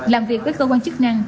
làm việc với cơ quan chức năng